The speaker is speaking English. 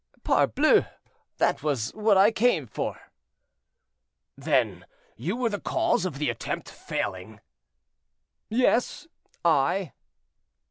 "Parbleu! that was what I came for." "Then you were the cause of the attempt failing?" "Yes, I."